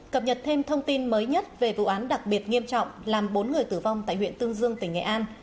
cập nhật thêm thông tin mới nhất về vụ án đặc biệt nghiêm trọng làm bốn người tử vong tại huyện tương dương tỉnh nghệ an